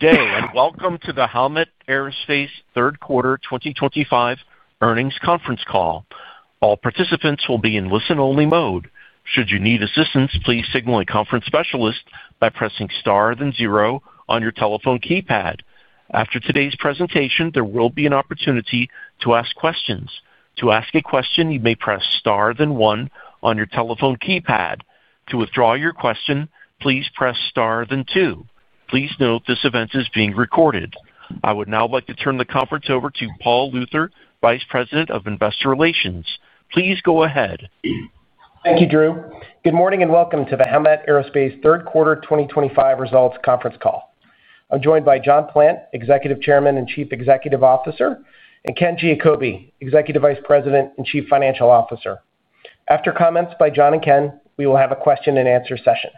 Good day and welcome to the Howmet Aerospace third quarter 2025 earnings conference call. All participants will be in listen only mode. Should you need assistance, please signal a conference specialist by pressing star then zero on your telephone keypad. After today's presentation, there will be an opportunity to ask questions. To ask a question, you may press star then one on your telephone keypad. To withdraw your question, please press star then two. Please note this event is being recorded. I would now like to turn the conference over to Paul Luther, Vice President of Investor Relations. Please go ahead. Thank you. Good morning and welcome to the Howmet Aerospace third quarter 2025 results conference call. I'm joined by John Plant, Executive Chairman and Chief Executive Officer, and Ken Giacobbe, Executive Vice President and Chief Financial Officer. After comments by John and Ken, we will have a question and answer session.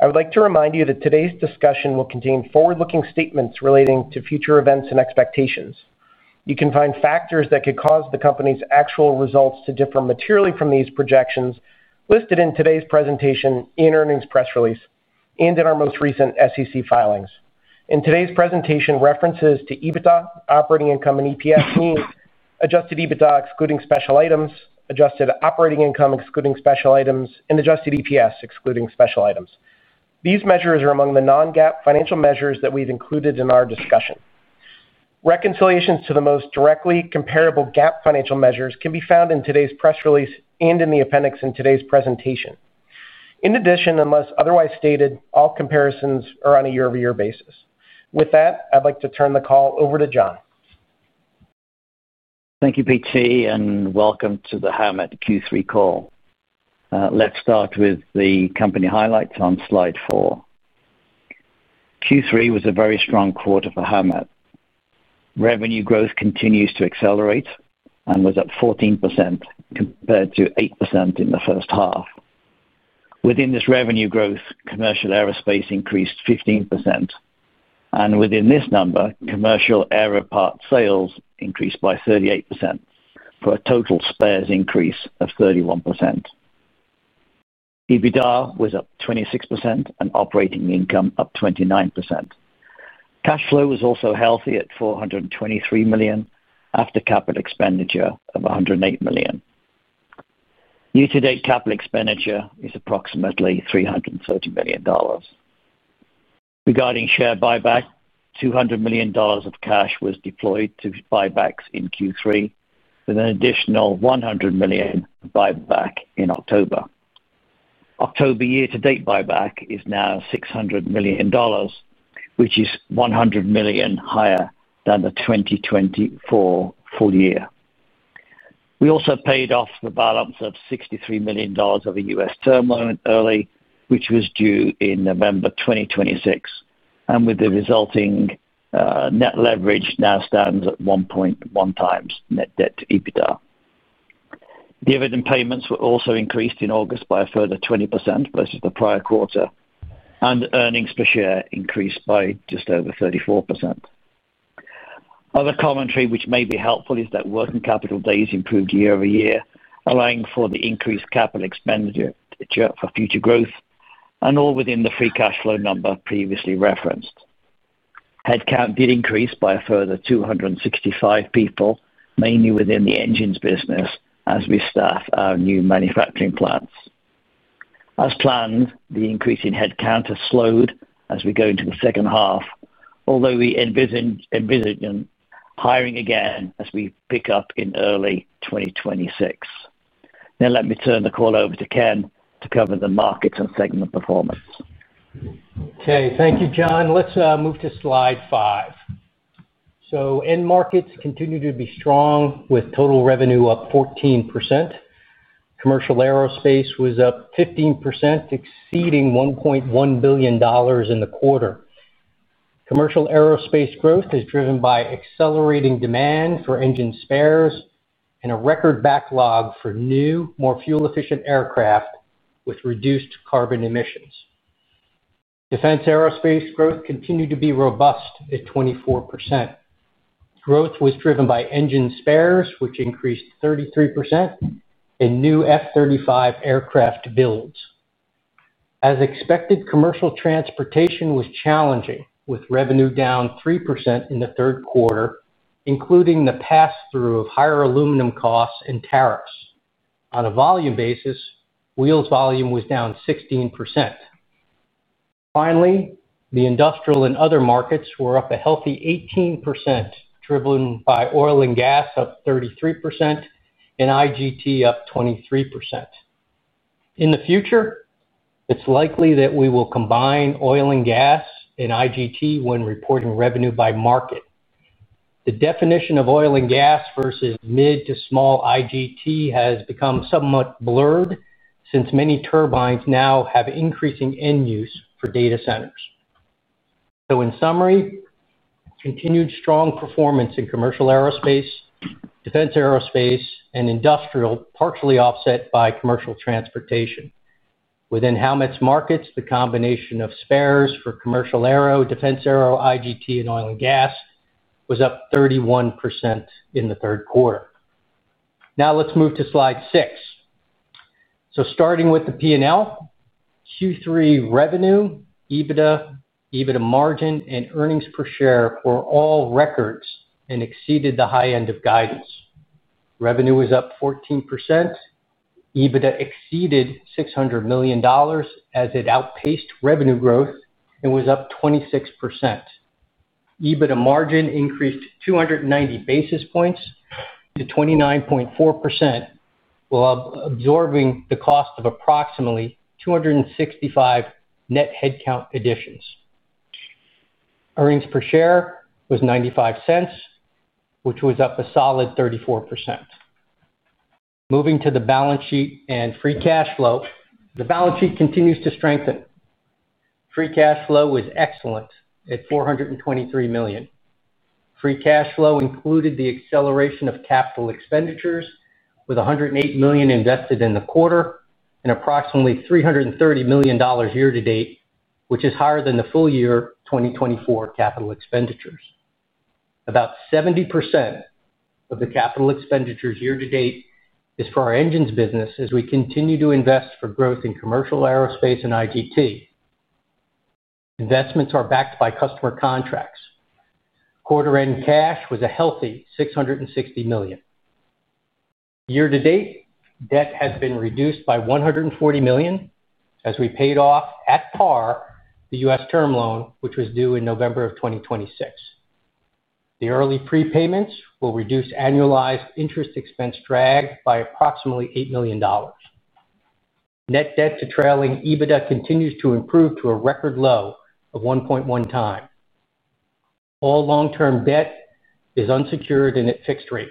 I would like to remind you that today's discussion will contain forward-looking statements relating to future events and expectations. You can find factors that could cause the company's actual results to differ materially from these projections listed in today's presentation and earnings press release and in our most recent SEC filings. In today's presentation, references to EBITDA, operating income, and EPS mean adjusted EBITDA excluding special items, adjusted operating income excluding special items, and adjusted EPS excluding special items. These measures are among the non-GAAP financial measures that we've included in our discussion. Reconciliations to the most directly comparable GAAP financial measures can be found in today's press release and in the appendix in today's presentation. In addition, unless otherwise stated, all comparisons are on a year-over-year basis. With that, I'd like to turn the call over to John. Thank you, Paul, and welcome to the Howmet Q3 call. Let's start with the company highlights on slide four. Q3 was a very strong quarter for Howmet. Revenue growth continues to accelerate and was up 14% compared to 8% in the first half. Within this revenue growth, commercial aerospace increased 15% and within this number, commercial aerospace parts sales increased by 38% for a total spares increase of 31%. EBITDA was up 26% and operating income up 29%. Cash flow was also healthy at $423 million after capital expenditures of $108 million. Year to date, capital expenditures are approximately $330 million. Regarding share buyback, $200 million of cash was deployed to buybacks in Q3 with an additional $100 million buyback in October. October year to date buyback is now $600 million, which is $100 million higher than the 2024 full year. We also paid off the balance of $63 million of a U.S. term loan early, which was due in November 2026, and with the resulting net leverage now stands at 1.1x net debt to EBITDA. Dividend payments were also increased in August by a further 20% versus the prior quarter and earnings per share increased by just over 34%. Other commentary which may be helpful is that working capital days improved year-over-year, allowing for the increased capital expenditures for future growth and all within the free cash flow number previously referenced. Headcount did increase by a further 265 people, mainly within the engines business as we staff our new manufacturing plants as planned. The increase in headcount has slowed as we go into the second half, although we envision hiring again as we pick up in early 2026. Now let me turn the call over to Ken to cover the markets and segment performance. Okay, thank you John. Let's move to slide five. End markets continue to be strong with total revenue up 14%. Commercial aerospace was up 15%, exceeding $1.1 billion in the quarter. Commercial aerospace growth is driven by accelerating demand for engine spares and a record backlog for new, more fuel efficient aircraft with reduced carbon emissions. Defense aerospace growth continued to be robust at 24%. Growth was driven by engine spares, which increased 33%, and new F-35 aircraft builds as expected. Commercial transportation was challenging with revenue down 3% in the third quarter, including the pass through of higher aluminum costs and tariffs. On a volume basis, wheels volume was down 16%. Finally, the industrial and other markets were up a healthy 18%, driven by oil and gas up 33% and IGT up 23%. In the future, it's likely that we will combine oil and gas and IGT when reporting revenue by market. The definition of oil and gas versus mid to small IGT has become somewhat blurred since many turbines now have increasing end use for data centers. In summary, continued strong performance in commercial aerospace, defense aerospace, and industrial, partially offset by commercial transportation within Howmet's markets. The combination of spares for commercial aero, defense aero, IGT, and oil and gas was up 31% in the third quarter. Now let's move to slide six. Starting with the P&L, Q3 revenue, EBITDA, EBITDA margin, and earnings per share were all records and exceeded the high end of guidance. Revenue was up 14%. EBITDA exceeded $600 million as it outpaced revenue growth and was up 26%. EBITDA margin increased 290 basis points to 29.4% while absorbing the cost of approximately 265 net headcount additions. Earnings per share was $0.95, which was up a solid 34%. Moving to the balance sheet and free cash flow, the balance sheet continues to strengthen. Free cash flow was excellent at $423 million. Free cash flow included the acceleration of capital expenditures with $108 million invested in the quarter and approximately $330 million year to date, which is higher than the full year 2024 capital expenditures. About 70% of the capital expenditures year to date is for our engines business as we continue to invest for growth in commercial aerospace and IGT. Investments are backed by customer contracts. Quarter end cash was a healthy $660 million. Year to date, debt has been reduced by $140 million as we paid off at par the U.S. term loan which was due in November of 2026. The early prepayments will reduce annualized interest expense drag by approximately $8 million. Net debt to trailing EBITDA continues to improve to a record low of 1.1x. All long term debt is unsecured and at fixed rates.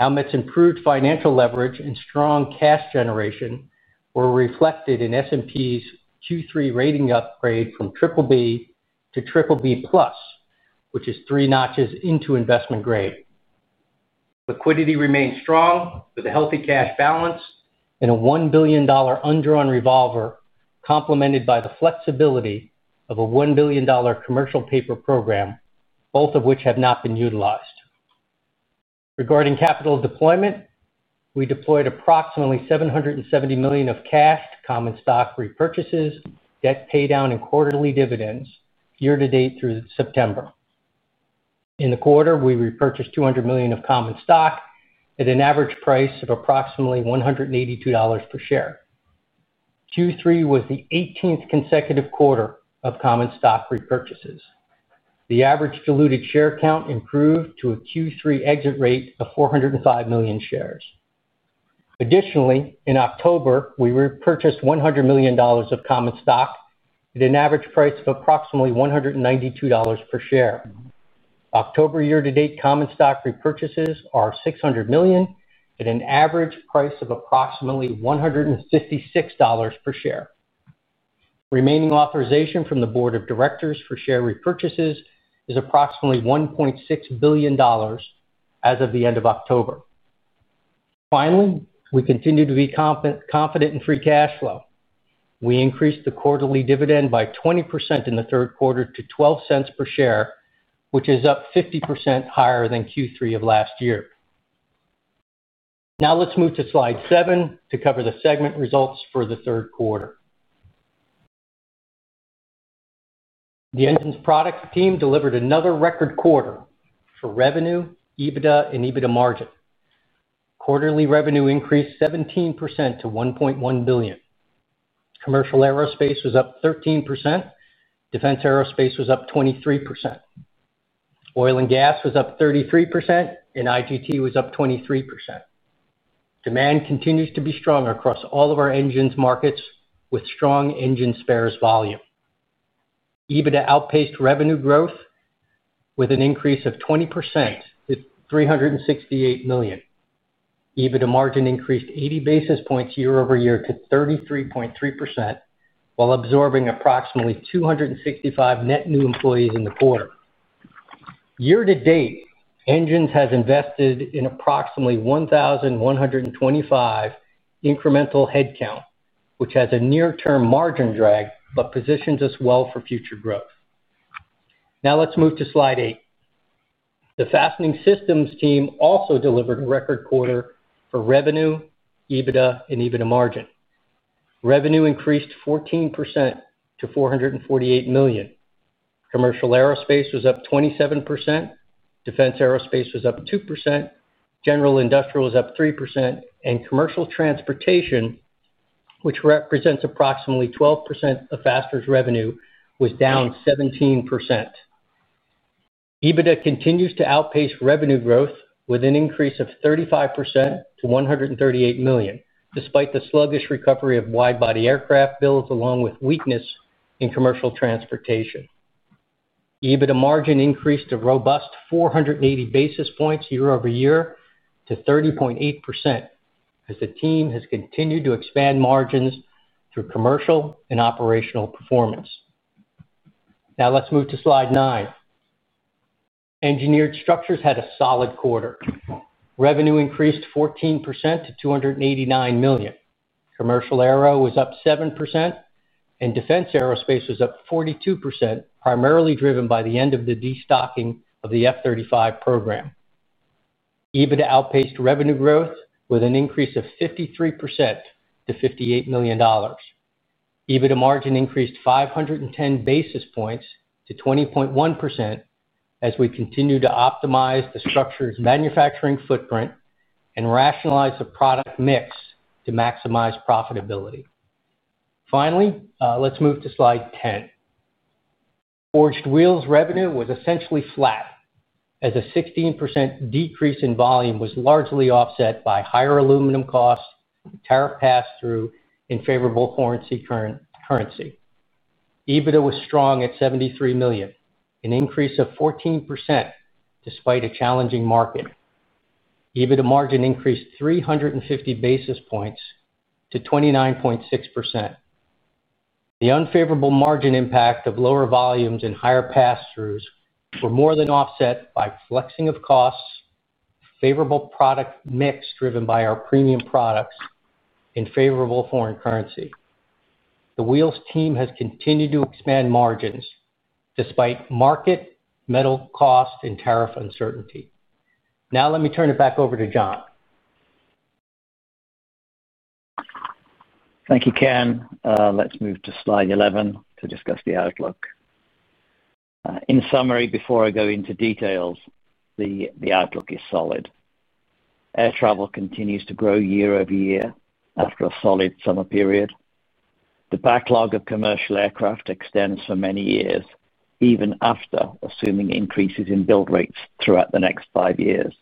Howmet's improved financial leverage and strong cash generation were reflected in S&P's Q3 rating upgrade from BBB to BBB+, which is three notches into investment grade. Liquidity remains strong with a healthy cash balance and a $1 billion undrawn revolver complemented by the flexibility of a $1 billion commercial paper program, both of which have not been utilized. Regarding capital deployment, we deployed approximately $770 million of cash to common stock repurchases, debt pay down, and quarterly dividends year to date through September. In the quarter, we repurchased $200 million of common stock at an average price of approximately $182 per share. Q3 was the 18th consecutive quarter of common stock repurchases. The average diluted share count improved to a Q3 exit rate of 405 million shares. Additionally, in October we repurchased $100 million of common stock at an average price of approximately $192 per share. October year to date, common stock repurchases are $600 million at an average price of approximately $156 per share. Remaining authorization from the Board of Directors for share repurchases is approximately $1.6 billion as of the end of October. Finally, we continue to be confident in free cash flow. We increased the quarterly dividend by 20% in the third quarter to $0.12 per share, which is up 50% higher than Q3 of last year. Now let's move to slide seven to cover the segment results for the third quarter. The Engines products team delivered another record quarter for revenue, EBITDA, and EBITDA margin. Quarterly revenue increased 17% to $1.1 billion. Commercial aerospace was up 13%, defense aerospace was up 23%, oil and gas was up 33%, and IGT was up 23%. Demand continues to be strong across all of our engines markets. With strong engine spares volume, EBITDA outpaced revenue growth with an increase of 20% to $368 million. EBITDA margin increased 80 basis points year-over-year to 33.3% while absorbing approximately 265 net new employees in the quarter year to date. Engines has invested in approximately 1,125 incremental head count which has a near term margin drag but positions us well for future growth. Now let's move to slide eight. The fastening systems team also delivered a record quarter for revenue. EBITDA and EBITDA margin revenue increased 14% to $448 million. Commercial aerospace was up 27%, defense aerospace was up 2%, general industrial was up 3%, and commercial transportation, which represents approximately 12% of Fastening Systems' revenue, was down 17%. EBITDA continues to outpace revenue growth with an increase of 35% to $138 million. Despite the sluggish recovery of wide body aircraft builds along with weakness in commercial transportation, EBITDA margin increased a robust 480 basis points year-over-year to 30.8% as the team has continued to expand margins through commercial and operational performance. Now let's move to slide nine. Engineered structures had a solid quarter. Revenue increased 14% to $289 million. Commercial aero was up 7% and defense aerospace was up 42%, primarily driven by the end of the destocking of the F-35 program. EBITDA outpaced revenue growth with an increase of 53% to $58 million. EBITDA margin increased 510 basis points to 20.1% as we continue to optimize the structures manufacturing footprint and rationalize the product mix to maximize profitability. Finally, let's move to slide 10, forged wheels. Revenue was essentially flat as a 16% decrease in volume was largely offset by higher aluminum costs, tariff pass through, and favorable foreign currency. EBITDA was strong at $73 million, an increase of 14%. Despite a challenging market, EBITDA margin increased 350 basis points to 29.6%. The unfavorable margin impact of lower volumes and higher pass throughs were more than offset by flexing of costs, favorable product mix driven by our premium products, and favorable foreign currency. The wheels team has continued to expand margins despite market metal cost and tariff uncertainty. Now let me turn it back over to John. Thank you, Ken. Let's move to slide 11 to discuss the outlook. In summary, before I go into details, the outlook is solid. Air travel continues to grow year-over-year after a solid summer period. The backlog of commercial aircraft extends for many years. Even after assuming increases in build rates throughout the next five years,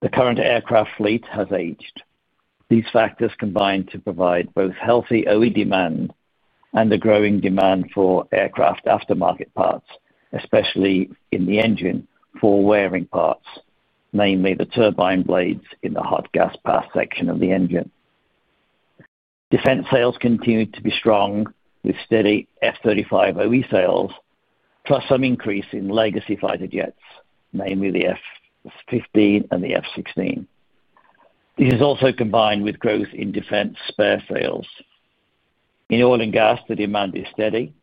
the current aircraft fleet has aged. These factors combine to provide both healthy OE demand and a growing demand for aircraft aftermarket parts, especially in the engine for wearing parts, namely the turbine blades in the hot gas path section of the engine. Defense sales continue to be strong with steady F-35 OE sales plus some increase in legacy fighter jets, namely the F-15 and the F-16. This is also combined with growth in defense spare sales. In oil and gas, the demand is steady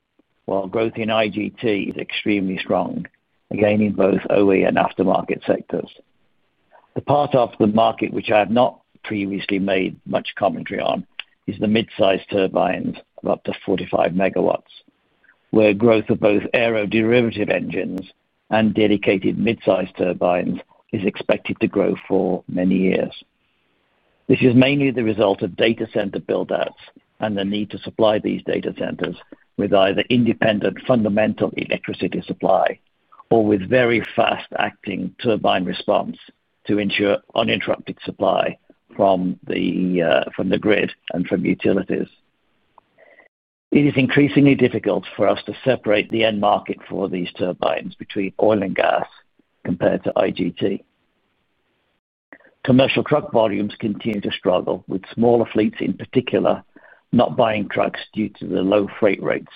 while growth in IGT is extremely strong again in both OE and aftermarket sectors. The part of the market which I have not previously made much commentary on is the midsize turbines of up to 45 MW where growth of both aero derivative engines and dedicated midsize turbines is expected to grow for many years. This is mainly the result of data center buildouts and the need to supply these data centers with either independent fundamental electricity supply or with very fast acting turbine response to ensure uninterrupted supply from the grid and from utilities. It is increasingly difficult for us to separate the end market for these turbines between oil and gas compared to IGT. Commercial truck volumes continue to struggle with smaller fleets, in particular not buying trucks due to the low freight rates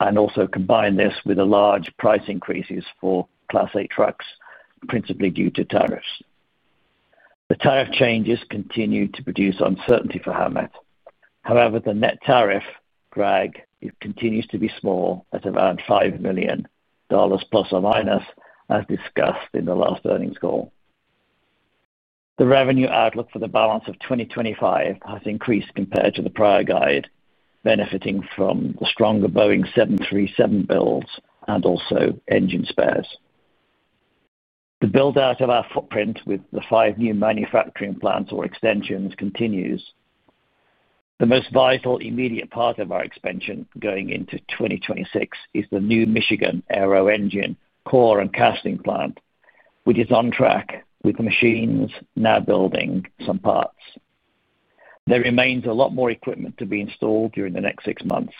and also combine this with the large price increases for Class 8 trucks principally due to tariffs. The tariff changes continue to produce uncertainty for Howmet. However, the net tariff continues to be small at around $5 million±. As discussed in the last earnings call, the revenue outlook for the balance of 2025 has increased compared to the prior guide, benefiting from the stronger Boeing 737 builds and also engine spares. The buildout of our footprint with the five new manufacturing plants or extensions continues. The most vital immediate part of our expansion going into 2026 is the new Michigan Aero engine core and casting plant, which is on track with machines now building some parts. There remains a lot more equipment to be installed during the next six months,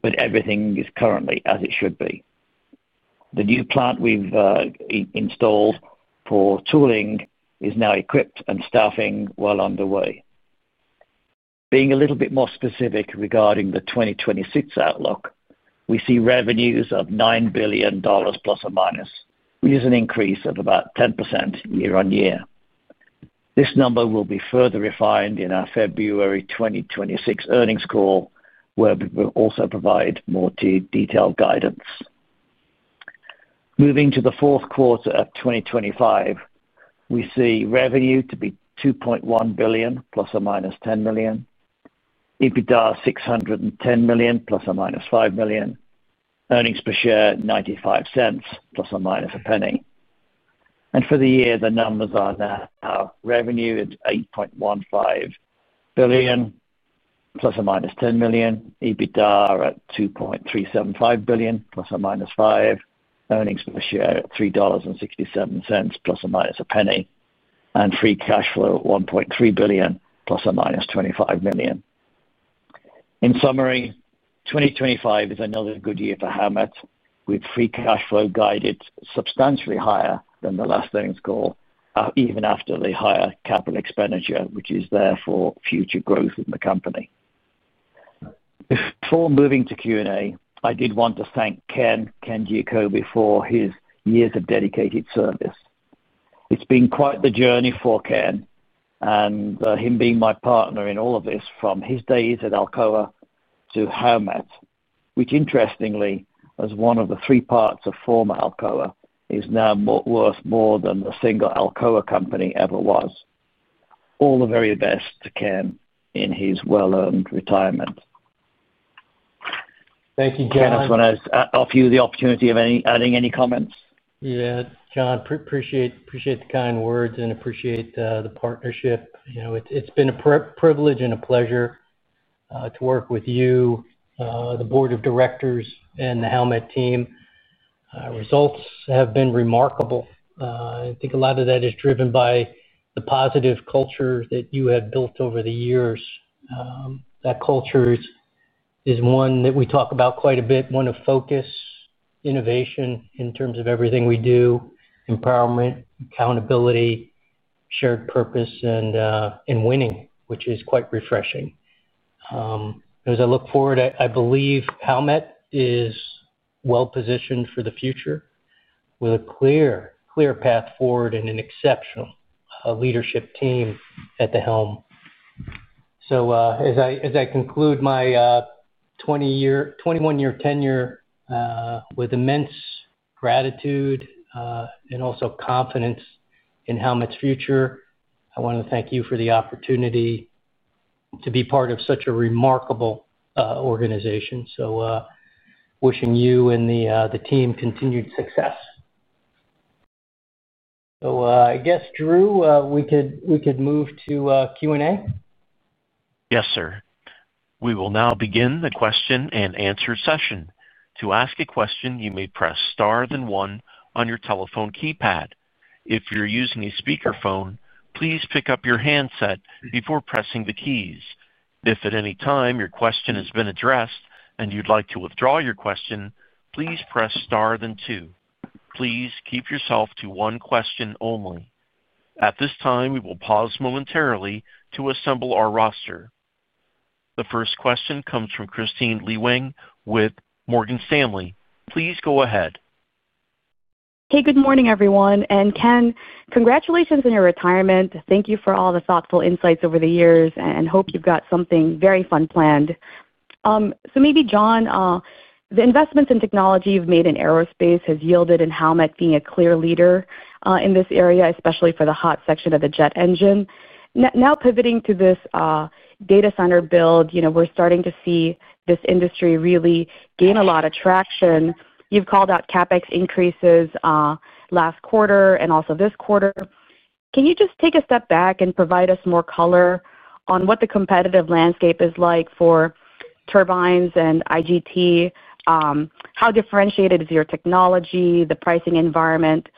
but everything is currently as it should be. The new plant we've installed for tooling is now equipped and staffing well underway. Being a little bit more specific regarding the 2026 outlook, we see revenues of $9 billion±, which is an increase of about 10% year on year. This number will be further refined in our February 2026 earnings call, where we will also provide more detailed guidance. Moving to the fourth quarter of 2025, we see revenue to be $2.1 billion ±$10 million. EBITDA $610 million ±$5 million. Earnings per share, $0.95 ±$0.01. For the year, the numbers are now revenue at $8.15 billion ±$10 million, EBITDA at $2.375 billion ±$5 million, earnings per share at $3.67 ±$0.01, and free cash flow $1.3 billion ±$25 million. In summary, 2025 is another good year for Howmet, with free cash flow guided substantially higher than the last earnings call, even after the higher capital expenditure, which is therefore future growth in the company. Before moving to Q&A, I did want to thank Ken Giacobbe for his years of dedicated service. It's been quite the journey for Ken and him being my partner in all of this, from his days at Alcoa to Howmet, which interestingly, as one of the three parts of former Alcoa, is now worth more than a single Alcoa company ever was. All the very best to Ken in his well-earned retirement. Thank you, John. I just want to offer you the opportunity of adding any comments. Yeah, John, appreciate the kind words and appreciate the partnership. It's been a privilege and a pleasure to work with you, the Board of Directors, and the Howmet team. Results have been remarkable. I think a lot of that is driven by the positive culture that you have built over the years. That culture is one that we talk about quite a bit, one of focus, innovation in terms of everything we do, empowerment, accountability, shared purpose, and winning, which is quite refreshing. As I look forward, I believe Howmet is well positioned for the future with a clear, clear path forward and an exceptional leadership team at the helm. As I conclude my 21 year tenure with immense gratitude and also confidence in Howmet's future, I want to thank you for the opportunity to be part of such a remarkable organization. Wishing you and the team continued success. I guess, Drew, we could move to Q and A. Yes, sir. We will now begin the question and answer session. To ask a question, you may press star then one on your telephone keypad. If you're using a speakerphone, please pick up your handset before pressing the keys. If at any time your question has been addressed and you'd like to withdraw your question, please press star then two. Please keep yourself to one question only at this time. We will pause momentarily to assemble our roster. The first question comes from Kristine Liwag with Morgan Stanley. Please go ahead. Hey, good morning everyone. Ken, congratulations on your retirement. Thank you for all the thoughtful insights over the years and hope you've got something very fun planned. John, the investments in technology you've made in aerospace has resulted in Howmet being a clear leader in this area, especially for the hot section of the jet engine. Now, pivoting to this data center buildout, we're starting to see this industry really gain a lot of traction. You've called out capital expenditures increases last quarter and also this quarter. Can you just take a step back and provide us more color on what the competitive landscape is like for turbines and industrial gas turbines, how differentiated is your technology, the pricing environment,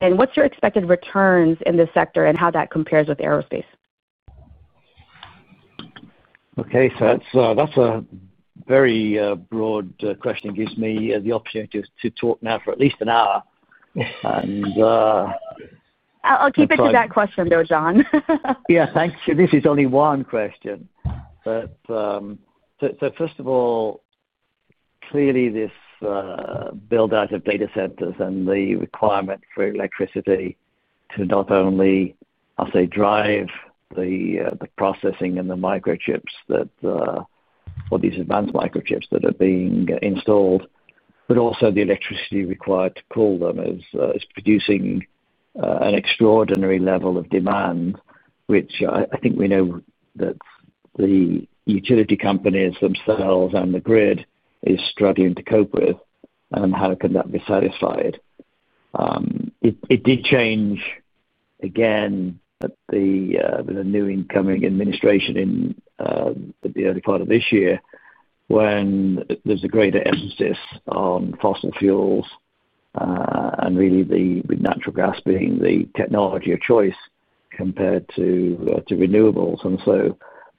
and what's your expected returns in this sector and how that compares with aerospace? Okay, that's a very broad question. It gives me the opportunity to talk now for at least an hour. I'll keep it to that question though, John. Yeah, thank you. This is only one question. First of all, clearly this build out of data centers and the requirement for electricity to not only drive the processing and the microchips or these advanced microchips that are being installed, but also the electricity required to cool them is producing an extraordinary level of demand, which I think we know that the utility companies themselves and the grid is struggling to cope with. How can that be satisfied? It did change again with a new incoming administration in the early part of this year when there's a greater emphasis on fossil fuels and really natural gas being the technology of choice compared to renewables.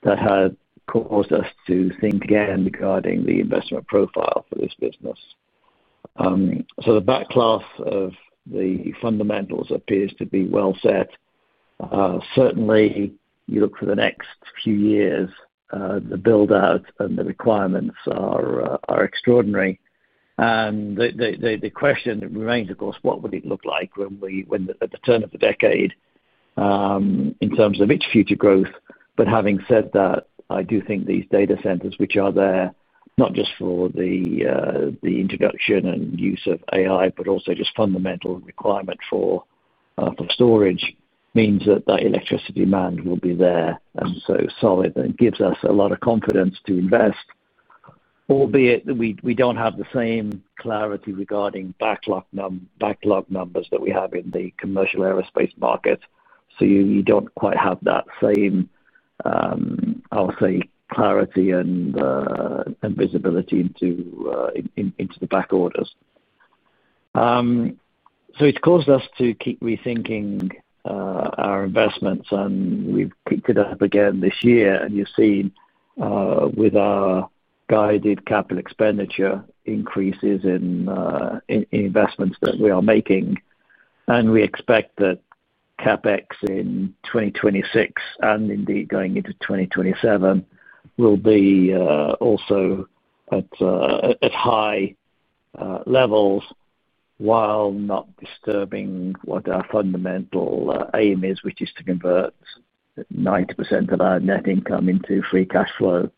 That had caused us to think again regarding the investment profile for this business. The back class of the fundamentals appears to be well set. Certainly, you look for the next few years, the build out and the requirements are extraordinary. The question remains, of course, what would it look like when we are at the turn of the decade in terms of its future growth. Having said that, I do think these data centers, which are there not just for the introduction and use of AI, but also just fundamental requirement for storage, means that the electricity demand will be there and so solid and gives us a lot of confidence to invest, albeit we don't have the same clarity regarding backlog numbers that we have in the commercial aerospace market. You don't quite have that same, I would say, clarity and visibility into the back orders. It's caused us to keep rethinking our investments and we've kicked it up again this year and you've seen with our guided capital expenditure increases in investments that we are making. We expect that capital expenditures in 2026 and indeed going into 2027 will be also at high levels, while not disturbing what our fundamental aim is, which is to convert 90% of our net income into free cash flow.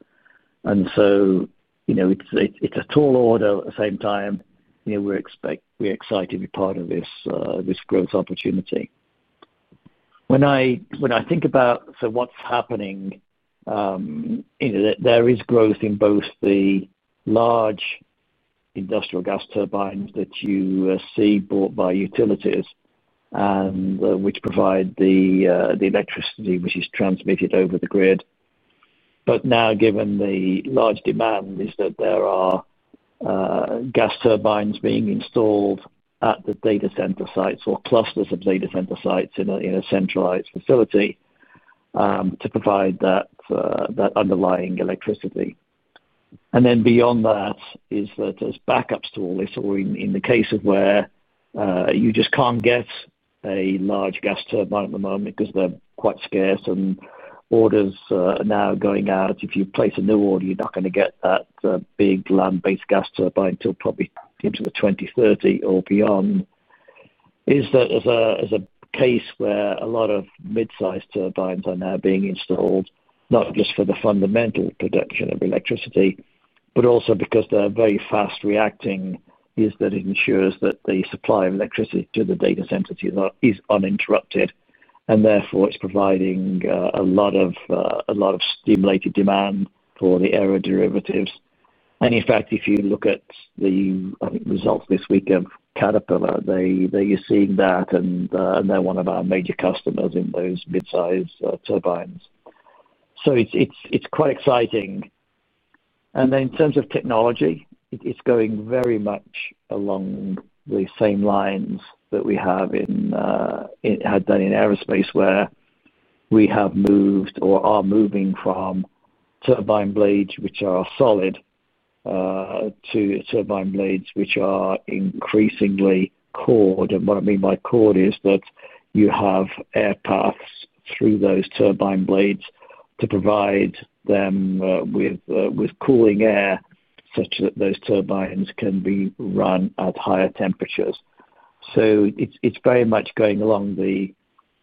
It's a tall order. At the same time, we expect we're excited to be part of this growth opportunity. When I think about what's happening, there is growth in both the large industrial gas turbines that you see bought by utilities which provide the electricity which is transmitted over the grid. Now, given the large demand, there are gas turbines being installed at the data center sites or clusters of data center sites in a centralized facility to provide that underlying electricity. Beyond that, as backups to all this or in the case where you just can't get a large gas turbine at the moment because they're quite scarce and orders now going out, if you place a new order, you're not going to get that big land-based gas turbine until probably into 2030 or beyond. In that case, a lot of midsize turbines are now being installed, not just for the fundamental production of electricity, but also because they're very fast reacting. It ensures that the supply of electricity to the data centers is uninterrupted and therefore it's providing a lot of stimulated demand for the aero derivatives. In fact, if you look at the results this weekend, Caterpillar, you're seeing that and they're one of our major customers in those midsize turbines. It's quite exciting. In terms of technology, it's going very much along the same lines that we have had in aerospace where we have moved or are moving from turbine blades which are solid to turbine blades which are increasingly cored. What I mean by cored is that you have air paths through those turbine blades to provide them with cooling air such that those turbines can be run at higher temperatures. It's very much going along the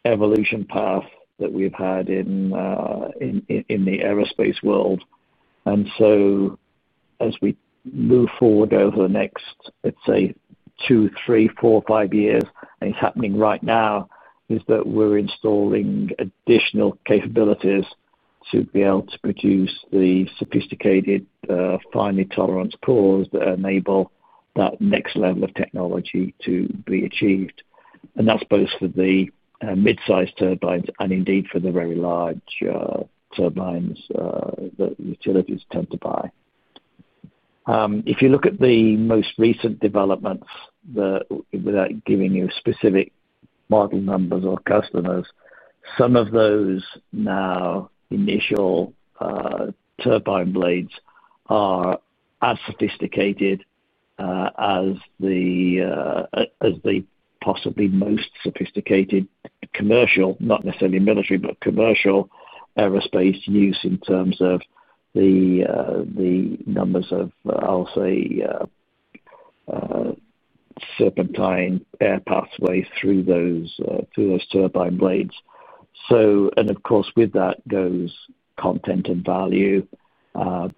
evolution path that we've had in the aerospace world. As we move forward over the next, let's say, two, three, four, five years, and it's happening right now, we're installing additional capabilities to be able to produce the sophisticated, finely tolerance cores that enable that next level of technology to be achieved. That's both for the midsize turbines and indeed for the very large turbines that utilities tend to buy. If you look at the most recent developments, without giving you specific model numbers or customers, some of those now initial turbine blades are as sophisticated as the possibly most sophisticated commercial, not necessarily military, but commercial aerospace use in terms of the numbers of, I'll say, serpentine air pathway through those turbine blades. Of course, with that goes content and value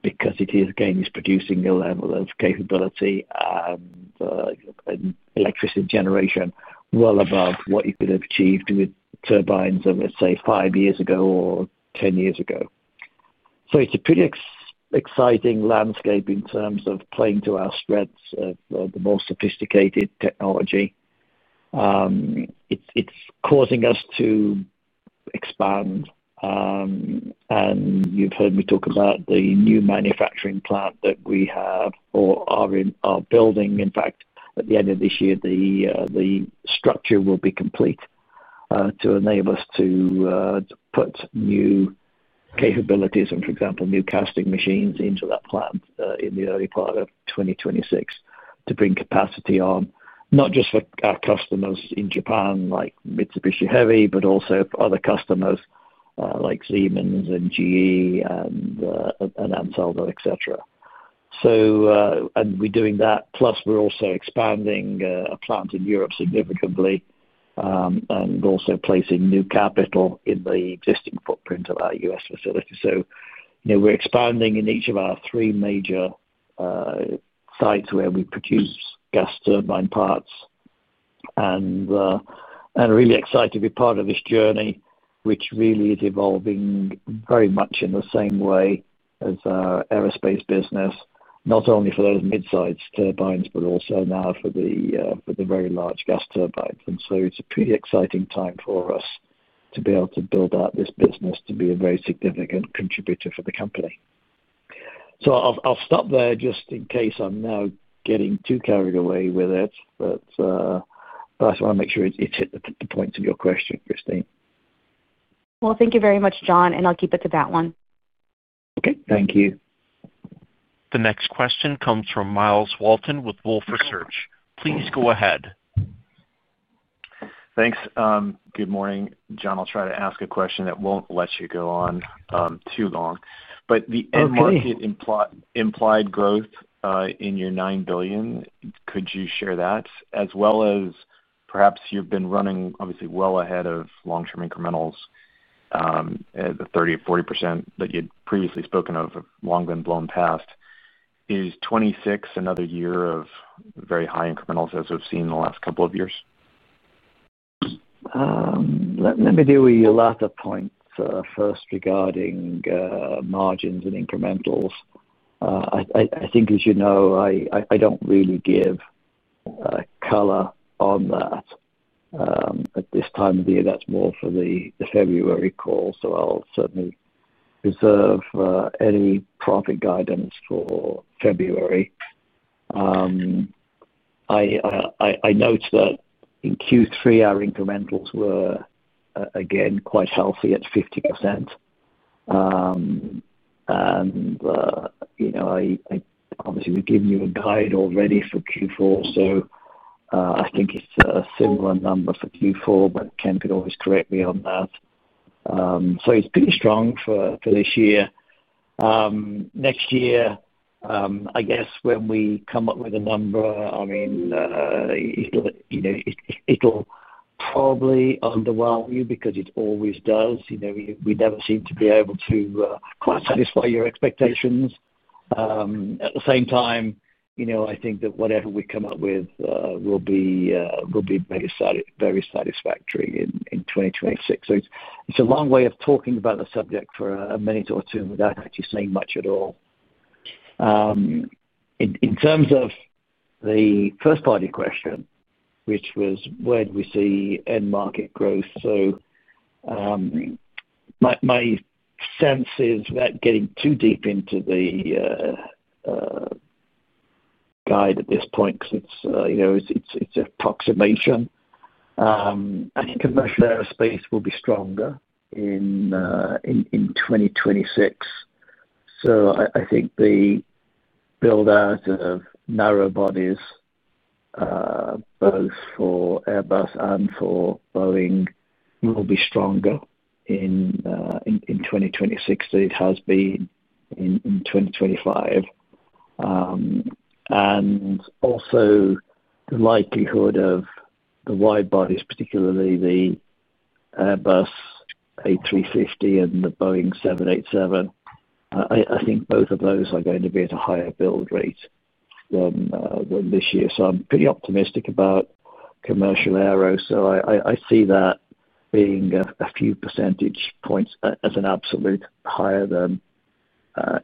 because it is again producing a level of capability, electricity generation well above what you could have achieved with turbines of, let's say, five years ago or 10 years ago. It's a pretty expensive, exciting landscape in terms of playing to our strengths. The more sophisticated technology, it's causing us to expand. You've heard me talk about the new manufacturing plant that we have or are building. In fact, at the end of this year, the structure will be complete to enable us to put new capabilities in, for example, new casting machines into that plant in the early part of 2026 to bring capacity on not just for our customers in Japan like Mitsubishi Heavy, but also other customers like Siemens and GE and Ansaldo, etc. We are doing that, plus we're also expanding a plant in Europe significantly and also placing new capital in the existing footprint of our U.S. facility. We're expanding in each of our three major sites where we produce gas turbine parts. I'm really excited to be part of this journey, which really is evolving very much in the same way as our aerospace business, not only for those midsize turbines but also now for the very large gas turbines. It's a pretty exciting time for us to be able to build out this business, to be a very significant contributor for the company. I'll stop there just in case I'm now getting too carried away with it, but I just want to make sure I hit the points of your question, Kristine. Thank you very much, John. I'll keep it to that one. Okay, thank you. The next question comes from Myles Walton with Wolfe Research. Please go ahead. Thanks. Good morning, John. I'll try to ask a question. Won't let you go on too long, but the end market implied growth in your $9 billion. Could you share that as well as perhaps you've been running obviously well ahead. Of long-term incrementals, the 30% or 40% that you'd previously spoken of long. Been blown past is 2026. Another year of very high incrementals. We've seen in the last couple of years. Let me deal with your last point first regarding margins and incrementals. I think as you know, I don't really give color on that at this time of year. That's more for the February call. I'll certainly preserve any profit guidance for February. I note that in Q3 our incrementals were again quite healthy at 50%. Obviously, we've given you a guide already for Q4, so I think it's a similar number for Q4 but Ken could always correct me on that. It's pretty strong for this year. Next year I guess when we come up with a number, it'll probably underwhelm you because it always does. We never seem to be able to quite satisfy your expectations. At the same time, I think that whatever we come up with will be very satisfactory in 2026. It's a long way of talking about the subject for a minute or two without actually saying much at all. In terms of the first part of your question, which was where do we see end market growth, my sense is without getting too deep into the guide at this point because it's approximation, commercial aerospace will be stronger in 2026. I think the build out of narrow bodies both for Airbus and for Boeing will be stronger in 2026 than it has been in 2025. The likelihood of the wide bodies, particularly the Airbus A350 and the Boeing 787, I think both of those are going to be at a higher build rate than this year. I'm pretty optimistic about commercial aero. I see that being a few percentage points as an absolute higher than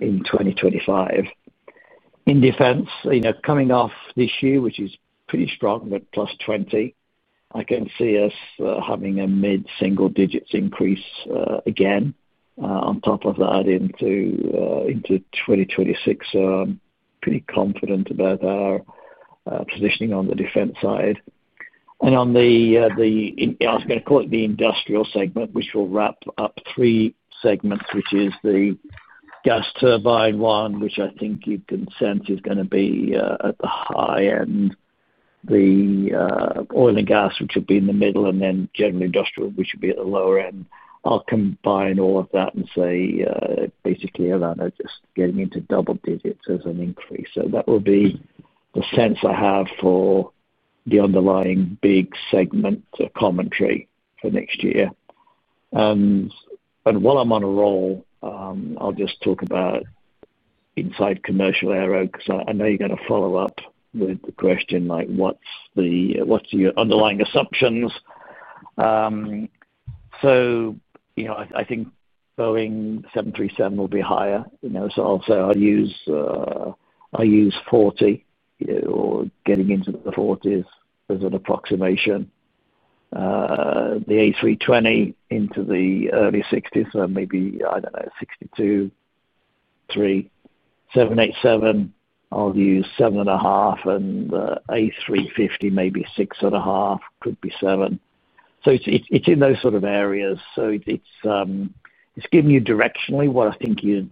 in 2025. In defense, coming off this year, which is pretty strong at +20%, I can see us having a mid single digits increase again on top of that into 2026. I'm pretty confident about our positioning on the defense side. I was going to call it the industrial segment, which will wrap up three segments, which is the gas turbine one, which I think you can sense is going to be at the high end, the oil and gas which will be in the middle, and then general industrial which will be at the lower end. I'll combine all of that and say basically around just getting into double digits as an increase. That will be the sense I have for the underlying big segment commentary for next year. While I'm on a roll, I'll just talk about inside commercial aero because I know you're going to follow up with the question like what's your underlying assumptions? I think Boeing 737 will be higher. I'll say I use 40 or getting into the 40s as an approximation, the A320 into the early 60s, maybe I know 62, 63, 787, I'll use 7.5 and A350, maybe 6.5, could be 7. It's in those sort of areas. It's giving you directionally what I think you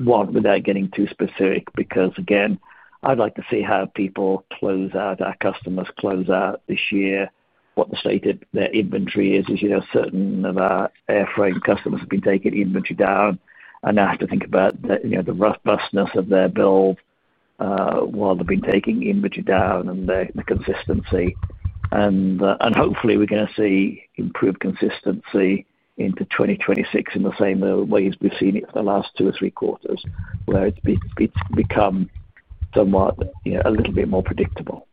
want without getting too specific because again I'd like to see how people close out, our customers close out this year, what the state of their inventory is. As you know, certain of our airframe customers have been taking inventory down and I have to think about the robustness of their build while they've been taking inventory down and the consistency, and hopefully we're going to see improved consistency into 2026 in the same way as we've seen it for the last two or three quarters where it's become somewhat, a little bit more predictable.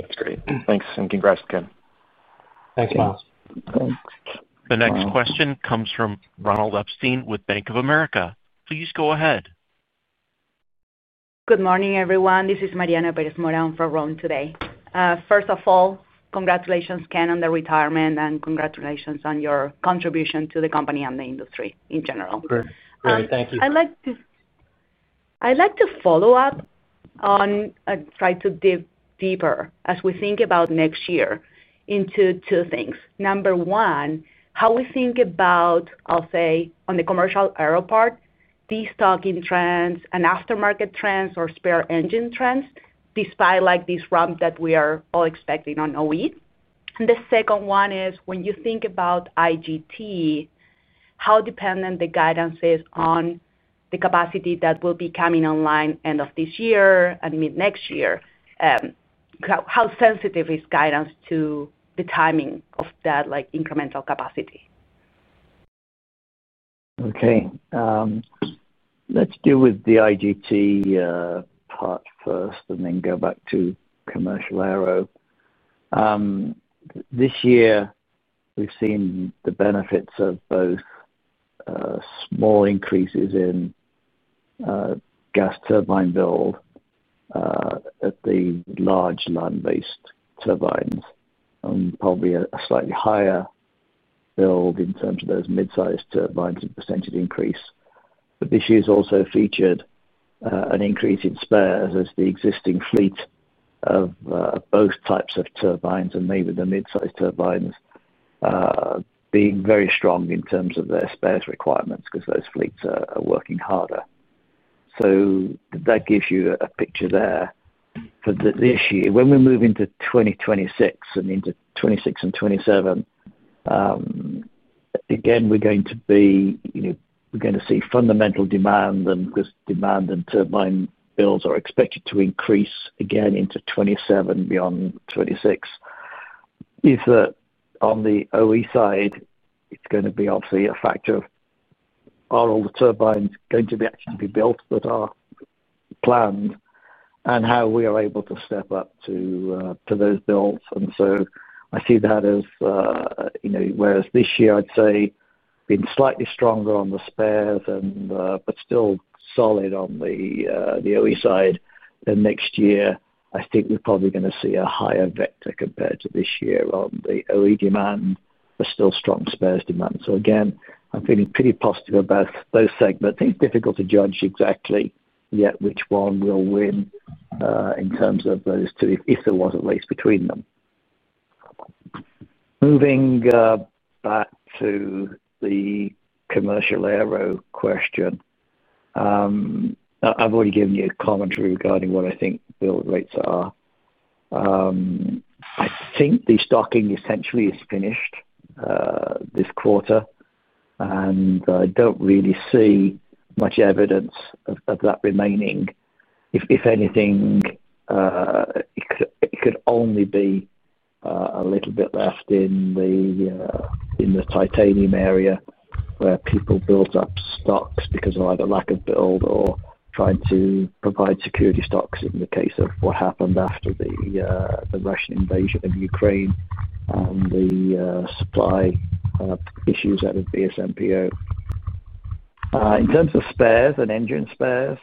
That's great. Thanks and congrats, Ken. Thanks, Myles. The next question comes from Ronald Epstein with Bank of America. Please go ahead. Good morning everyone. This is Mariana Pérez Mora, I'm from Rome today. First of all, congratulations Ken, on the retirement and congratulations on your contribution to the company and the industry in general. Great, thank you. I'd like to follow up on, try to dig deeper as we think about next year into two things. Number one, how we think about, I'll say on the commercial aero part, destocking trends and aftermarket trends or spare engine trends despite this ramp that we are all expecting on OE. The second one is when you think about IGT, how dependent the guidance is on the capacity that will be coming online end of this year and mid next year, how sensitive is guidance to the timing of that, like incremental capacity? Okay, let's deal with the IGT part first and then go back to commercial aero. This year we've seen the benefits of both small increases in gas turbine build at the large land-based turbines, probably a slightly higher build in terms of those midsize turbines and percentage increase. This year's also featured an increase in spares as the existing fleet of both types of turbines, and maybe the midsize turbines being very strong in terms of their spares requirements because those fleets are working harder. That gives you a picture there. When we move into 2026 and into 2027, we're going to see fundamental demand, and turbine builds are expected to increase again into 2027, beyond 2026. On the OE side, it's going to be obviously a factor of are all the turbines going to be actually built that are planned and how we are able to step up to those builds. I see that, as you know, whereas this year I'd say been slightly stronger on the spares, but still solid on the OE side, next year I think we're probably going to see a higher vector compared to this year on the OE demand, but still strong spares demand. I'm feeling pretty positive about those segments. It's difficult to judge exactly yet which one will win in terms of those two if there was a race between them. Moving back to the commercial aero question, I've already given you a commentary regarding what I think build rates are. I think the stocking essentially is finished this quarter and I don't really see much evidence of that remaining. If anything, it could only be a little bit left in the titanium area where people built up stocks because of either lack of build or trying to provide security stocks in the case of what happened after the Russian invasion of Ukraine and the supply issues at the VSMPO. In terms of spares and engine spares,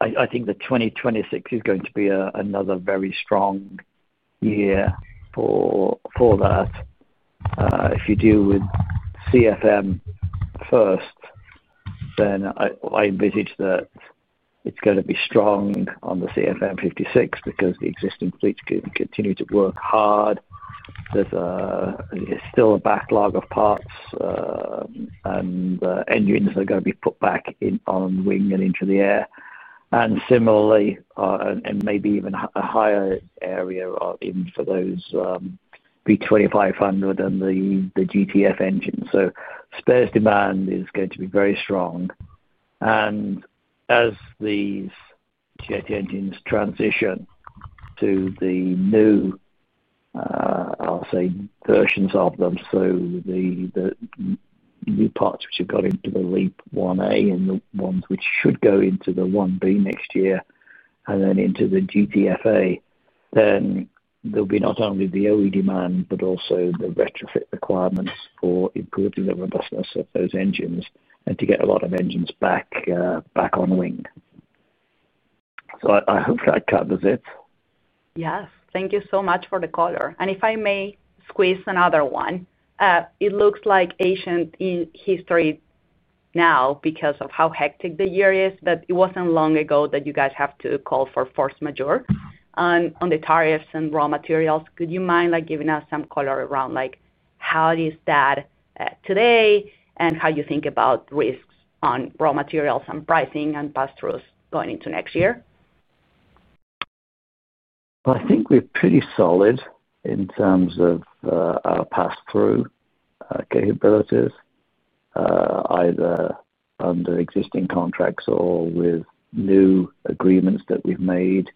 I think 2026 is going to be another very strong year for that. If you deal with CFM first, then I envisage that it's going to be strong on the CFM56 because the existing fleets can continue to work hard. There's still a backlog of parts and engines are going to be put back on wing and into the air. Similarly, and maybe even a higher area for those V2500 and the GTF engines. Spares demand is going to be very strong. As these GTF engines transition to the new, I'll say, versions of them. The new parts which have got into the LEAP-1A and the ones which should go into the 1B next year and then into the GTF, there will be not only the OE demand, but also the retrofit requirements for improving the robustness of those engines and to get a lot of engines back on wing. I hope that covers it. Yes, thank you so much for the color, and if I may squeeze another one, it looks like ancient history now because of how hectic the year is. It wasn't long ago that you guys had to call for force majeure on the tariffs and raw materials. Could you mind giving us some color around how is that today and how you think about risks on raw materials and pricing and pass throughs going into next year? I think we're pretty solid in terms of our pass through capabilities either under existing contracts or with new agreements that we've made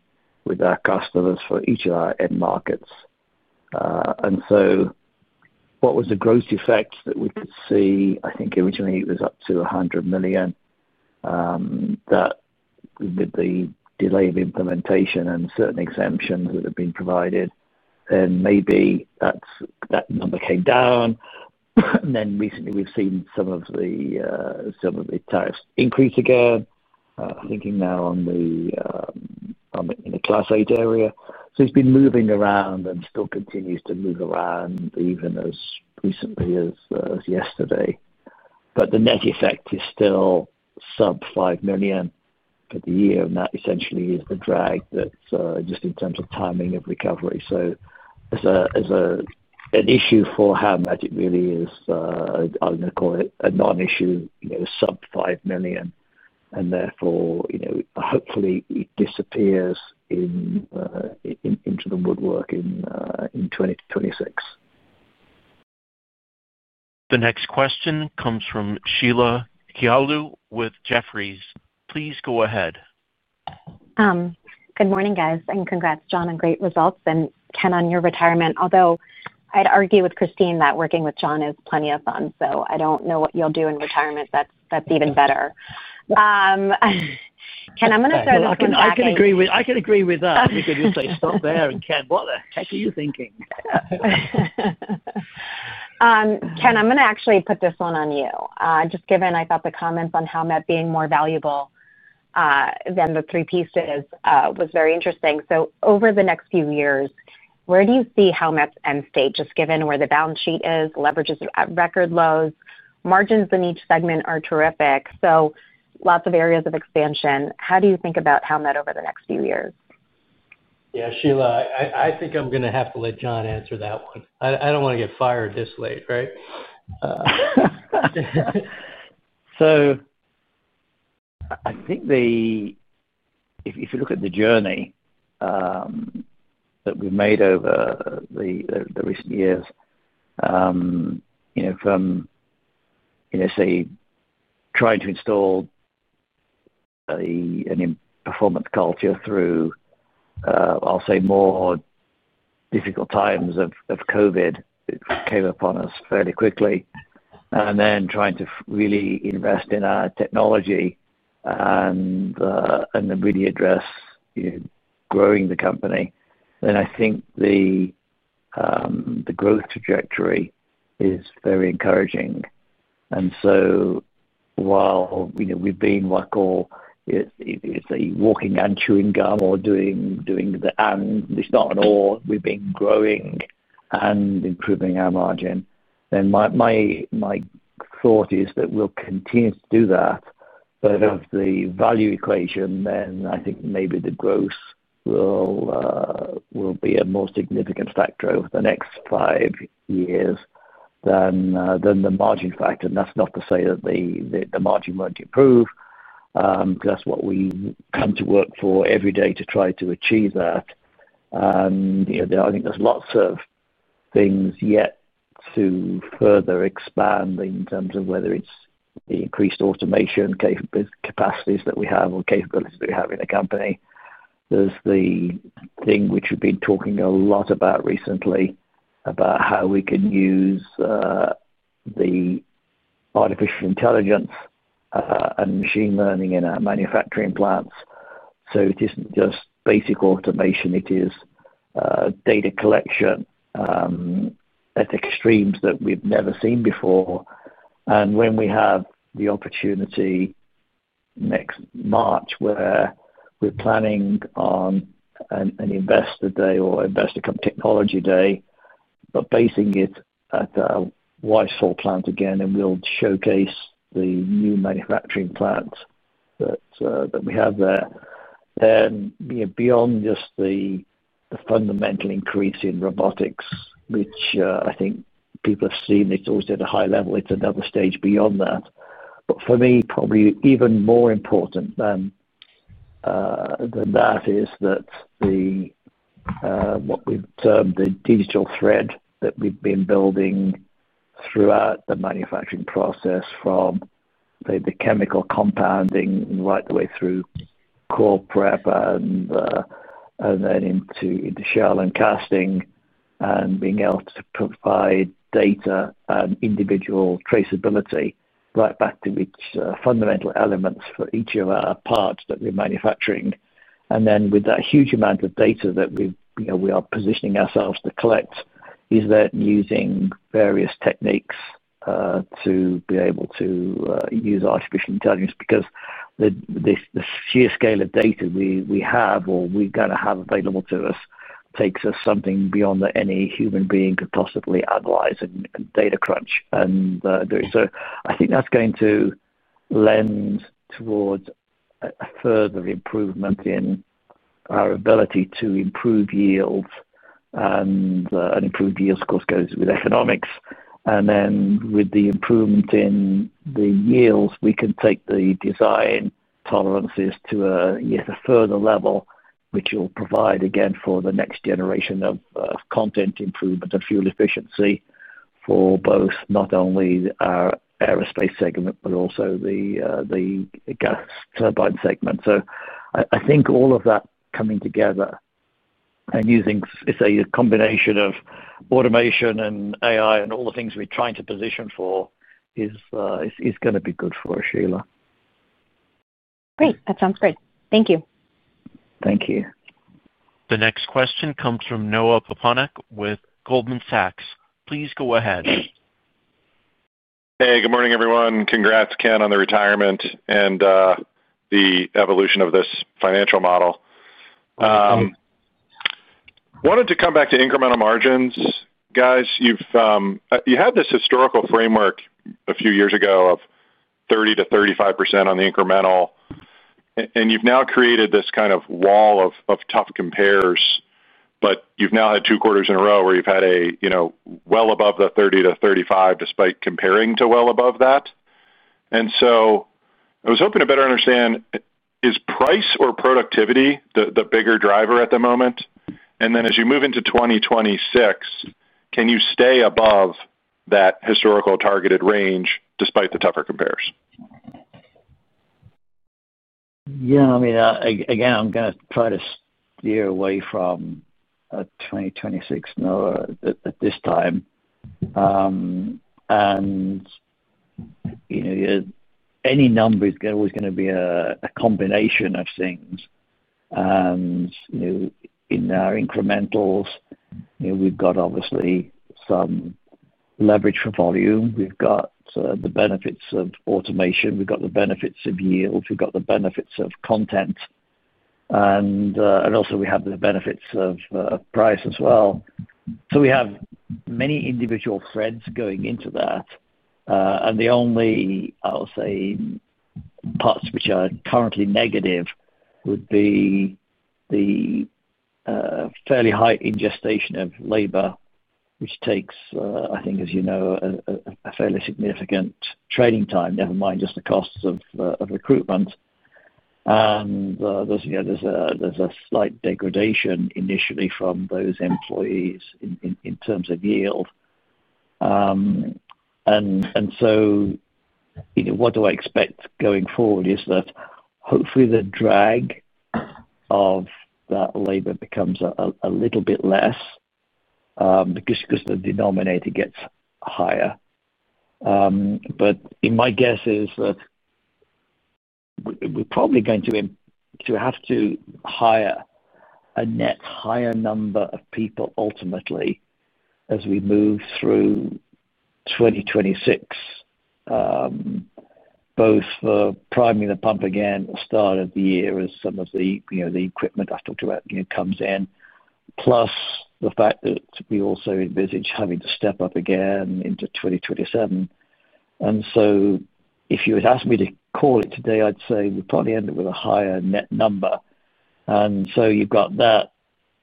with our customers for each of our end markets. What was the gross effect that we could see? I think originally it was up to $100 million, that with the delay of implementation and certain exemptions that have been provided, maybe that number came down. Recently we've seen some of the tariffs increase again, thinking now on the Class 8 area. It's been moving around and still continues to move around even as recently as yesterday. The net effect is still sub $5 million for the year, and that essentially is the drag that's just in terms of timing of recovery. As an issue for how much it really is, I'm going to call it a non-issue, sub $5 million, and therefore hopefully it disappears into the woodwork in 2026. The next question comes from Sheila Kahyaoglu with Jefferies. Please go ahead. Good morning, guys, and congrats, John, on great results, and Ken, on your retirement. Although I'd argue with Kristine that working with John is plenty of fun. I don't know what you'll do in retirement that's even better. Ken, I'm going to throw this. I can agree with that. You can just say stop there, and Ken, what the heck are you thinking? Ken, I'm going to actually put this one on you just given I thought the comments on Howmet being more valuable than the three pieces was very interesting. Over the next few years, where do you see Howmet end state? Just given where the balance sheet is, leverage is at record lows, margins in each segment are terrific. Lots of areas of expansion. How do you think about Howmet over the next few years? Yeah, Sheila, I think I'm going to have to let John answer that one. I don't want to get fired this late. Right? I think if you look at the journey that we've made over the recent years from trying to install performance culture through more difficult times of COVID that came upon us fairly quickly and then trying to really invest in our technology and really address growing the company, I think the growth trajectory is very encouraging. While we've been, it's a walking and chewing gum or doing the, and it's not at all. We've been growing and improving our margin. My thought is that we'll continue to do that. Of the value equation, I think maybe the growth will be a more significant factor over the next five years than the margin factor. That's not to say that the margin won't improve. That's what we come to work for every day to try to achieve that. I think there's lots of things yet to further expand in terms of whether it's the increased automation capacities that we have or capabilities that we have in the company. There's the thing which we've been talking a lot about recently, about how we can use artificial intelligence and machine learning in our manufacturing plants. It isn't just basic automation. It is data collection ethics streams that we've never seen before. When we have the opportunity next March, where we're planning on an investor day or investor technology day, basing it at Whitehall plant again and we'll showcase the new manufacturing plant that we have there, then beyond just the fundamental increase in robotics which I think people have seen, it's always at a high level. It's another stage beyond that. For me, probably even more important than that is what we term the digital thread that we've been building throughout the manufacturing process, from the chemical compounding right the way through core prep and then into shell and casting and being able to provide data and individual traceability right back to its fundamental elements for each of our parts that we're manufacturing. With that huge amount of data that we are positioning ourselves to collect, using various techniques to be able to use artificial intelligence, because the sheer scale of data we have or we're going to have available to us takes us beyond what any human being could possibly analyze and data crunch. I think that's going to lend towards a further improvement in our ability to improve yields. Improving yields, of course, goes with economics. With the improvement in the yields, we can take the design tolerances to a further level, which will provide again for the next generation of content improvement and fuel efficiency for both not only our aerospace segment, but also the gas turbine segment. I think all of that coming together and using a combination of automation and AI and all the things we're trying to position for is going to be good for Sheila. Great. That sounds great. Thank you. Thank you. The next question comes from Noah Poponak with Goldman Sachs. Please go ahead. Hey, good morning, everyone. Congrats, Ken, on the retirement and the evolution of this financial model. Wanted to come back to incremental margins, guys. You have this historical framework a few years ago of 30%-35% on the incremental, and you've now created this kind of wall of tough compares. You've now had two quarters in a row where you've had well above the 30%-35%, despite comparing to well above that. I was hoping to better understand, is price or productivity the bigger driver at the moment? As you move into 2026, can you stay above that historical targeted range despite the tougher compares? Yeah, I mean, again, I'm going to try to steer away from 2026, not at this time. Any number is always going to be a combination of things. In our incrementals, we've got obviously some leverage for volume, we've got the benefits of automation, we've got the benefits of yields, we've got the benefits of content. We also have the benefits of price as well. We have many individual threads going into that. The only parts which are currently negative would be the fairly high ingestion of labor, which takes, I think, as you know, a fairly significant training time, never mind just the costs of recruitment. There's a slight degradation initially from those employees in terms of yield. What I expect going forward is that hopefully the drag of that labor becomes a little bit less because the denominator gets higher. My guess is that we're probably going to have to hire a net higher number of people ultimately as we move through 2026, both for priming the pump, start of the year, as some of the equipment I talked about comes in, plus the fact that we also envisage having to step up again into 2027. If you had asked me to call it today, I'd say we probably end up with a higher net number. You've got that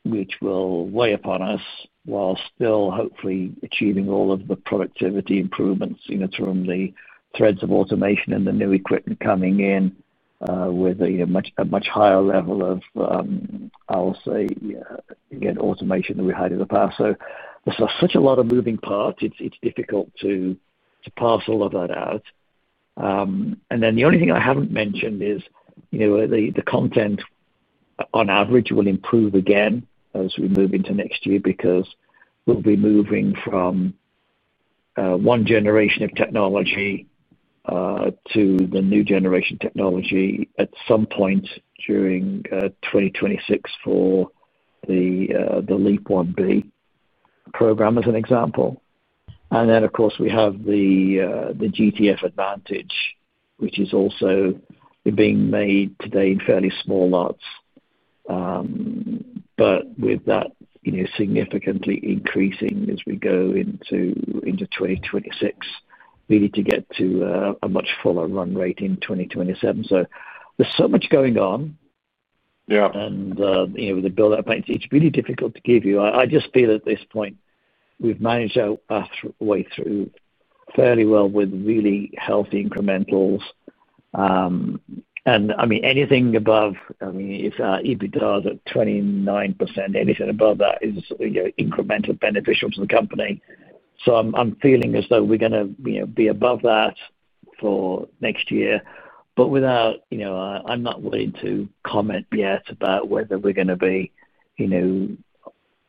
which will weigh upon us while still hopefully achieving all of the productivity improvements in it from the threads of automation and the new equipment coming in with a much higher level of automation than we had in the past. There are such a lot of moving parts, it's difficult to parcel that out. The only thing I haven't mentioned is the content on average will improve again as we move into next year because we'll be moving from one generation of technology to the new generation technology at some point during 2026 for the LEAP-1B program as an example. Of course, we have the GTF Advantage which is also being made today in fairly small lots, but with that significantly increasing as we go into 2026, we need to get to a much fuller run rate in 2027. There is so much going on and with the build up, it's really difficult to give you. I just feel at this point we've managed our way through fairly well with really healthy incrementals. I mean anything above, if EBITDA is at 29%, anything above that is incremental beneficial to the company. I'm feeling as though we're going to be above that for next year. I'm not willing to comment yet about whether we're going to be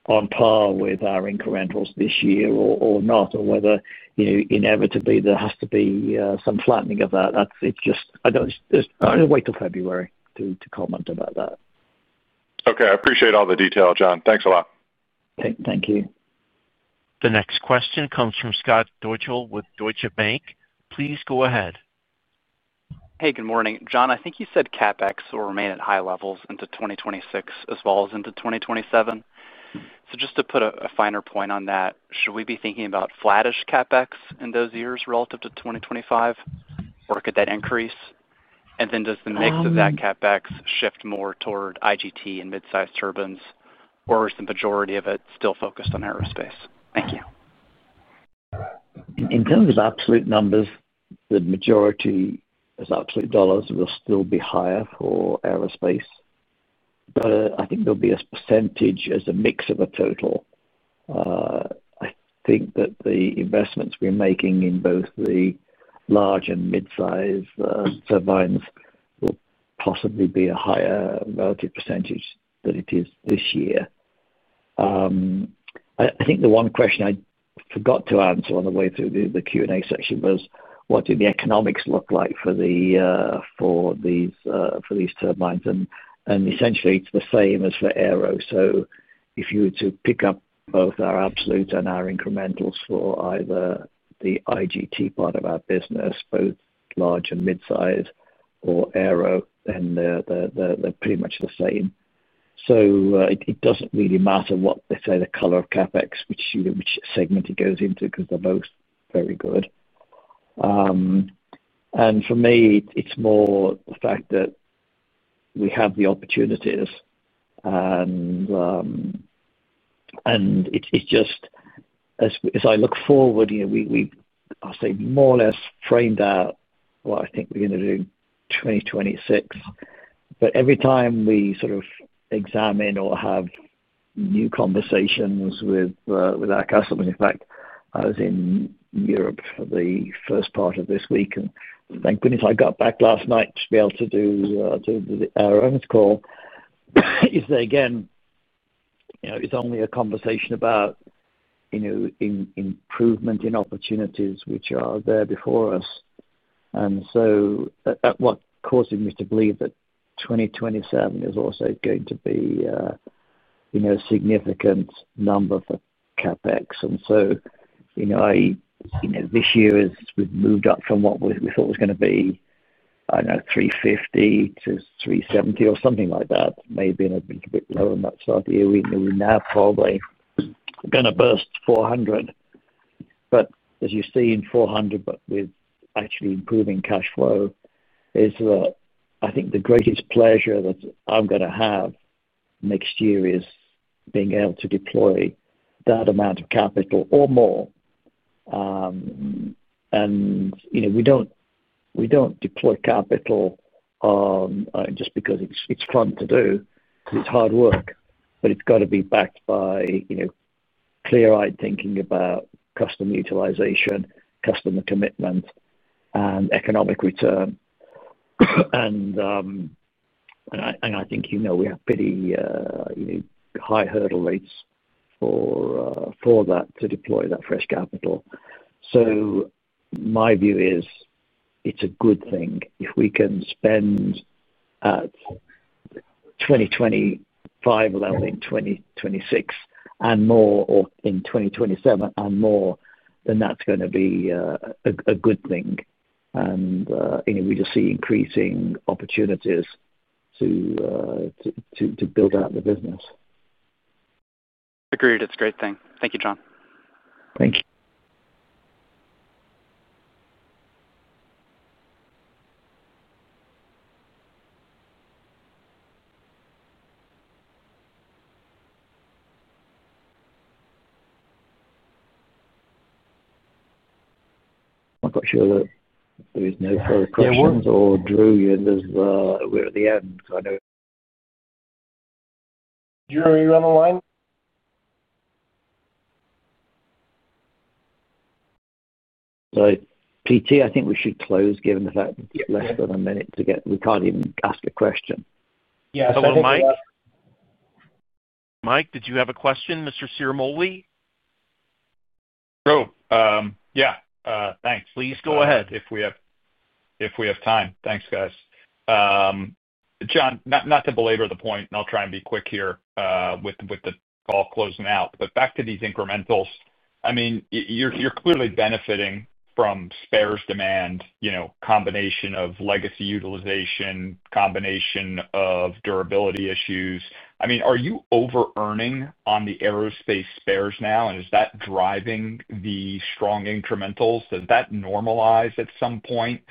on par with our incrementals this year or not, or whether inevitably there has to be some flattening of that. Just wait till February to comment about that. Okay. I appreciate all the detail, John. Thanks a lot. Thank you. The next question comes from Scott Deuschle with Deutsche Bank. Please go ahead. Hey, good morning, John. I think you said CapEx will remain. At high levels into 2026 as well as into 2027. To put a finer point. On that, should we be thinking about? Flattish CapEx in those years relative to. 2025 or could that increase then. Does the mix of that CapEx shift more toward IGT and midsize turbines, or is the majority of it still focused on aerospace? Thank you. In terms of absolute numbers, the majority is absolute. Dollars will still be higher for aerospace, but I think there'll be a percentage as a mix of a total. I think that the investments we're making in both the large and midsize turbines will possibly be a higher relative percentage than it is this year. I think the one question I forgot to answer on the way through the Q&A section was what did the economics look like for these turbines? Essentially, it's the same as for aero. If you were to pick up both our absolute and our incrementals for either the IGT part of our business, both large and midsize, or Aero, they're pretty much the same. It doesn't really matter what, let's say, the color of CapEx, which segment it goes into, because they're both very good. For me, it's more the fact that we have the opportunities, and as I look forward, we more or less framed out what I think we're going to do in 2026, but every time we examine or have new conversations with our customers. In fact, I was in Europe for the first part of this week, and thank goodness I got back last night to be able to do this call. Again, it's only a conversation about improvement in opportunities which are there before us. That causes me to believe that 2027 is also going to be a significant number for CapEx. This year, we've moved up from what we thought was going to be, I know, $350 million-$370 million or something like that, maybe a little bit lower on that side. Here, we are now probably going to burst $400 million, but as you see in $400 million, but with actually improving cash flow, I think the greatest pleasure that I'm going to have next year is being able to deploy that amount of capital or more. We don't deploy capital just because it's fun to do. It's hard work, but it's got to be backed by clear-eyed thinking about customer utilization, customer commitment, and economic return. I think we have pretty high hurdle rates for that to deploy that fresh capital. My view is it's a good thing. If we can spend at 2025, in 2026 and more, or in 2027 and more, then that's going to be a good thing, and we just see increasing opportunities to build out the business. Agreed. It's a great thing. Thank you, John. Thank. You. I'm not sure that there are no further questions. Drew, we're at the end. Drew, are you on the line? I think we should close given the fact less than a minute to get. We can't even ask a question. Yes, hello, Mike. Mike, did you have a question? Mr. Ciarmoli? Oh yeah, thanks. Please go ahead. If we have time. Thanks guys. John, not to belabor the point, I'll try and be quick here with the call closing out, but back to these incrementals. You're clearly benefiting from spares demand, combination of legacy utilization, combination of durability issues. Are you over earning on the aerospace spares now and is that driving the strong incrementals? Does that normalize at some point,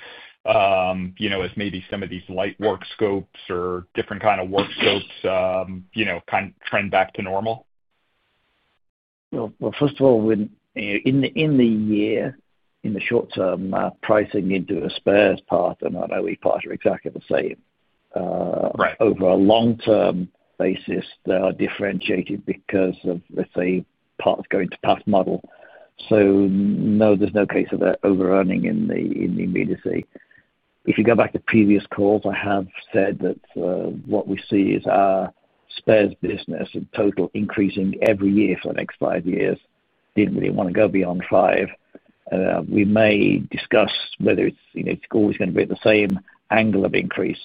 as maybe some of these light work scopes or different kind of work scopes trend back to normal? First of all, in the year, in the short term, pricing into a spares path and I know we part are exactly the same over a long term basis. They are differentiated because of, let's say, parts going to pass model. No, there's no case of over earning in the immediacy. If you go back to previous calls, I have said that what we see is our spares business in total increasing every year for the next five years. Didn't really want to go beyond five. We may discuss whether it's, you know, it's always going to be at the same angle of increase.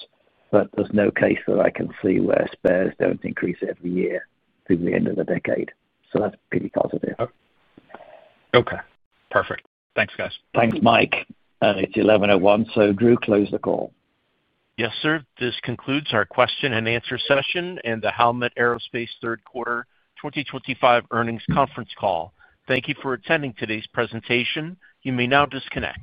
There's no case that I can see where spares don't increase every year through the end of the decade. That's pretty positive. Okay, perfect. Thanks guys. Thanks Mike. It's 11:01 A.M., so Drew, close the call. Yes sir. This concludes our question and answer session and the Howmet Aerospace third quarter 2025 earnings conference call. Thank you for attending today's presentation. You may now disconnect.